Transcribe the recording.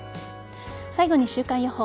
最後に週間予報。